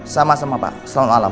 sama sama pak selamat malam